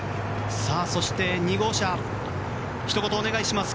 そして２号車ひと言お願いします。